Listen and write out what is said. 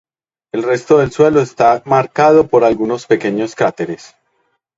El resto del suelo está marcado por algunos pequeños cráteres.